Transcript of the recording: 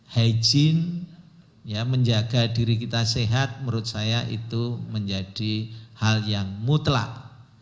hijin menjaga diri kita sehat menurut saya itu menjadi hal yang mutlak